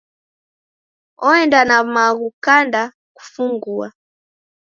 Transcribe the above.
Oenda na maghu kanda kufungua.